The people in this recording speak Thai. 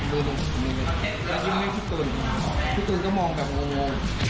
วิ่งให้พี่ตุ๋นพี่ตุ๋นก็มองแบบโง่